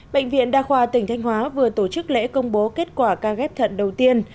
bệnh viện đa khoa tỉnh thanh hóa vừa tổ chức lễ công bố kết quả ca ghép thận đầu tiên